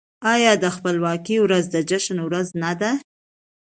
آیا د خپلواکۍ ورځ د جشن ورځ نه ده؟